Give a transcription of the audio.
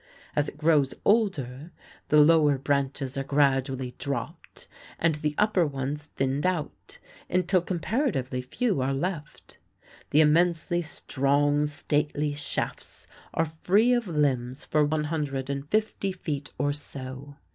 As it grows older, the lower branches are gradually dropped and the upper ones thinned out, until comparatively few are left. The immensely strong, stately shafts are free of limbs for one hundred and fifty feet or so.